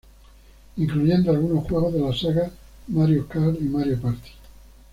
Incluyendo algunos juegos de la saga Mario Kart y Mario Party.